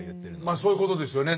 まあそういうことですよね。